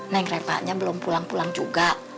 neng repahnya belum pulang pulang juga